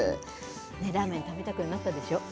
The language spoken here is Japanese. ラーメン食べたくなったでしょ。